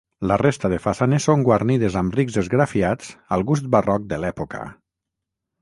La resta de façanes són guarnides amb rics esgrafiats al gust barroc de l'època.